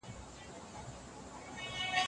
ښځو رسول الله ته وويل، چي دا څنګه خبره ده؟